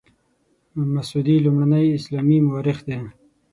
مسعودي لومړنی اسلامي مورخ دی.